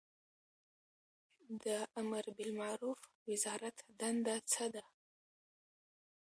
د امربالمعروف وزارت دنده څه ده؟